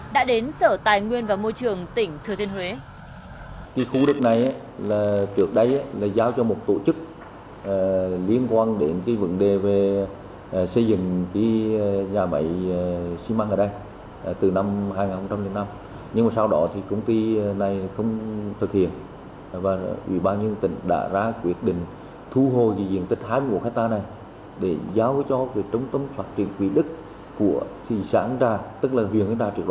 đã đến sở tài nguyên và môi trường tỉnh thừa thiên huế